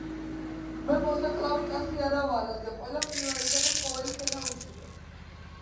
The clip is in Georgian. - მე მოსაკლავი კაცი არა ვარ, რადგან ყველა ფრინველისა და ცხოველის ენა ვიციო.